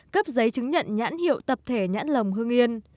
cấp giấy chứng nhận nhãn hiệu tập thể nhãn lồng hưng yên